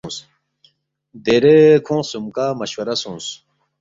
دیرے کھونگ خسُومکا مشورہ سونگس